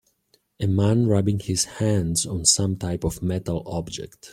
A man rubbing his hands on some type of metal object